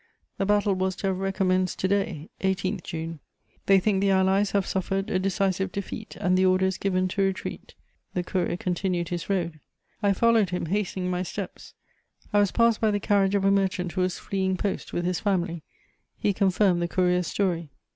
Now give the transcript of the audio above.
The battle was to have recommenced to day (18 June). They think the Allies have suffered a decisive defeat, and the order is given to retreat." The courier continued his road. I followed him, hastening my steps: I was passed by the carriage of a merchant who was fleeing post with his family; he confirmed the courier's story. [Sidenote: Confusion at Ghent.